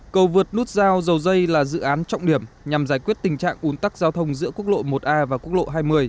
cầu vượt nút giao dầu dây là dự án trọng điểm nhằm giải quyết tình trạng ủn tắc giao thông giữa quốc lộ một a và quốc lộ hai mươi